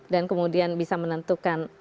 dan kemudian bisa menentukan